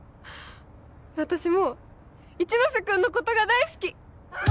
私も一ノ瀬君のことが大好き！